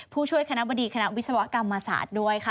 ผู้ช่วยคณะบดีคณะวิศวกรรมศาสตร์ด้วยค่ะ